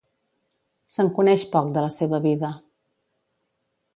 Se'n coneix poc de la seva vida.